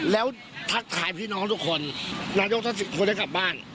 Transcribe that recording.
แล้วทักทายพี่น้องทุกคนนายกทักษิคนได้กลับบ้าน